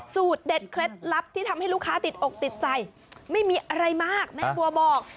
สูตรเด็ดเคล็ดลับที่ทำให้ลูกค้าติดอกติดใจไม่มีอะไรมากแม่บัวบอก